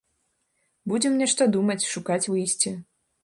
Будзем нешта думаць, шукаць выйсце.